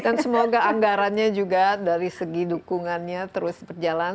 dan semoga anggarannya juga dari segi dukungannya terus berjalan